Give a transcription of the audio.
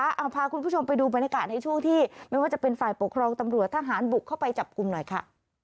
เอาพาคุณผู้ชมไปดูบรรยากาศในช่วงที่ไม่ว่าจะเป็นฝ่ายปกครองตำรวจทหารบุกเข้าไปจับกลุ่มหน่อยค่ะ